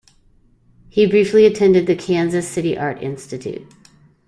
He briefly attended the Kansas City Art Institute.